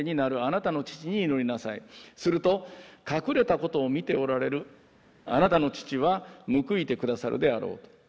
すると隠れたことを見ておられるあなたの父は報いて下さるであろう。